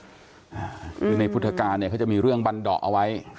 คือในพุทธกาลเนี่ยเขาจะมีเรื่องบันดอกเอาไว้